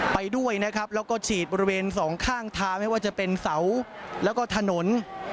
ไปด้วยนะครับแล้วก็ฉีดบริเวณสองข้างทางไม่ว่าจะเป็นเสาแล้วก็ถนน